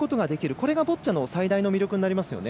これがボッチャの最大の魅力になりますよね。